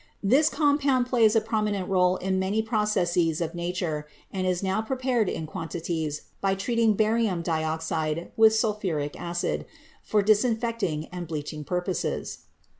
This compound plays a prominent role in many processes of nature, and is now prepared in quantities, by treating barium dioxide with sulphuric c.cid, for disinfecting and bleaching purposes.